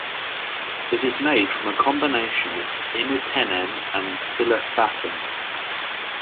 It is made from a combination of imipenem and cilastatin.